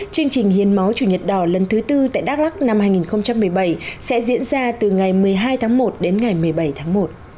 chương trình hiến máu chủ nhật đỏ lần thứ tư tại đắk lắc năm hai nghìn một mươi bảy sẽ diễn ra từ ngày một mươi hai tháng một đến ngày một mươi bảy tháng một